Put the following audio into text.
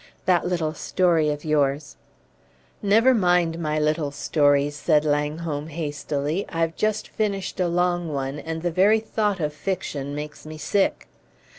That little story of yours " "Never mind my little stories," said Langholm, hastily; "I've just finished a long one, and the very thought of fiction makes me sick."